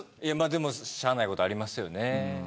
でも、しゃあないことありますよね。